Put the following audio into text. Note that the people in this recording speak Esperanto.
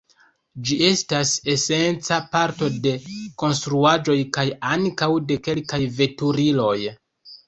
Ĝi estas esenca parto de konstruaĵoj kaj ankaŭ de kelkaj veturiloj.